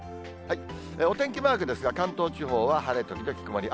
お天気マークですが、関東地方は晴れ時々曇り。